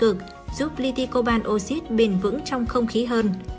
điện cực giúp li ti cobal oxid bền vững trong không khí hơn